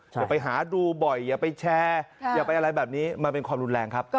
อย่าไปหาดูบ่อยอย่าไปแชร์อย่าไปอะไรแบบนี้มันเป็นความรุนแรงครับ